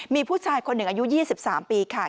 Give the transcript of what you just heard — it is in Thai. มีผู้ชายคนหนึ่งอายุ๒๓ปีค่ะ